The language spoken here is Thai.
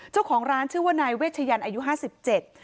เจ้าของร้านชื่อว่านายเวชยันอายุห้าสิบเจ็ด